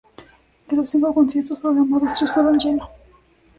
De los cinco conciertos programados, tres fueron lleno.